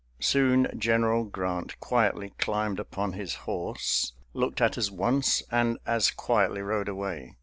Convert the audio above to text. Soon General Grant quietly climbed upon his horse, looked at us once, and as quietly rode away.